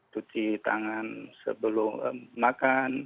cuci tangan sebelum makan